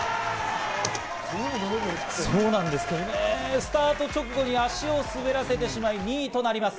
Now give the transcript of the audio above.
スタート直後に足を滑らせてしまい、２位となります。